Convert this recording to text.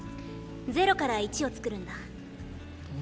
０から１をつくるんだ。